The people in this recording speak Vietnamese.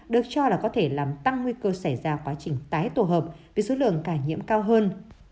được cho là có thể làm tăng nguy cơ xảy ra quá trình tái tổ hợp vì số lượng ca nhiễm cao hơn